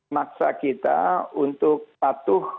maksa kita untuk patuhkan